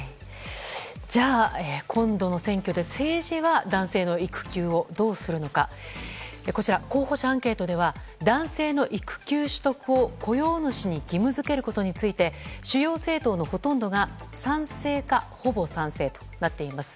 じゃあ、今度の選挙で政治は男性の育休をどうするのか候補者アンケートでは男性の育休取得を雇用主に義務付けることについて主要政党のほとんどが賛成か、ほぼ賛成となっています。